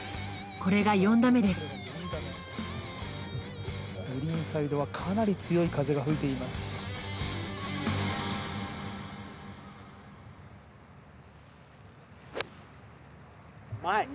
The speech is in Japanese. これが４打目ですグリーンサイドはかなり強い風が吹いていますうまい！